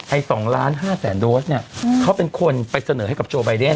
ไอ๒๕๐๐๐๐๐โดรสเนี่ยเขาเป็นคนไปเสนอให้จูโอใบเดน